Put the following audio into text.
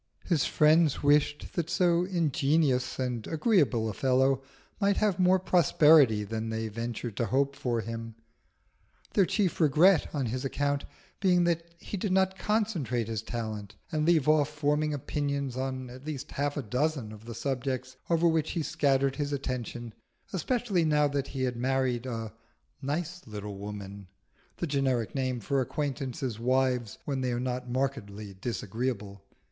His friends wished that so ingenious and agreeable a fellow might have more prosperity than they ventured to hope for him, their chief regret on his account being that he did not concentrate his talent and leave off forming opinions on at least half a dozen of the subjects over which he scattered his attention, especially now that he had married a "nice little woman" (the generic name for acquaintances' wives when they are not markedly disagreeable).